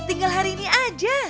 tinggal hari ini aja